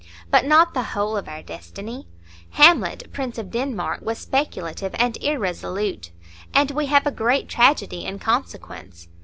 But not the whole of our destiny. Hamlet, Prince of Denmark, was speculative and irresolute, and we have a great tragedy in consequence.